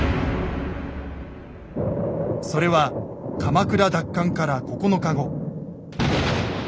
それは鎌倉奪還から９日後。